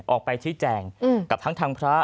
ออกไปชี้แจงกับทั้งทางพระ